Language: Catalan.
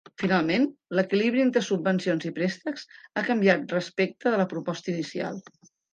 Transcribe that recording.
Finalment, l’equilibri entre subvencions i préstecs ha canviat respecte de la proposta inicial.